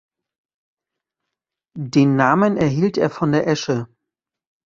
Den Namen erhielt er von der Esche.